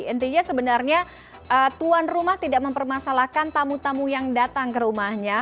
jadi sebenarnya tuan rumah tidak mempermasalahkan tamu tamu yang datang ke rumahnya